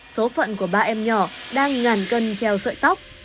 số phận của ba em nhỏ đang ngàn cân treo sợi tóc